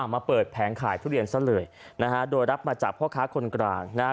มาเปิดแผงขายทุเรียนซะเลยนะฮะโดยรับมาจากพ่อค้าคนกลางนะฮะ